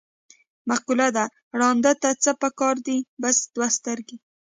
مقوله ده: ړانده ته څه په کار دي، بس دوه سترګې.